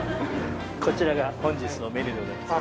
こちらが本日のメニューでございます。